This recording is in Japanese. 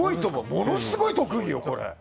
ものすごい特技よ、これ。